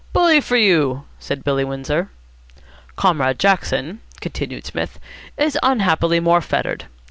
"Bully for you," said Billy Windsor. "Comrade Jackson," continued Psmith, "is unhappily more fettered.